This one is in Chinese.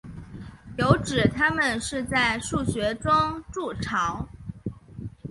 有指它们是在树穴中筑巢。